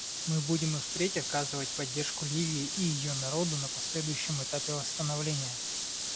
Мы будем и впредь оказывать поддержку Ливии и ее народу на последующем этапе восстановления.